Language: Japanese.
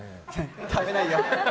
食べないよ。